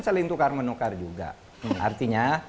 saling tukar menukar juga artinya